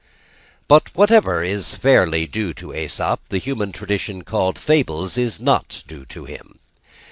But whatever be fairly due to Æsop, the human tradition called Fables is not due to him.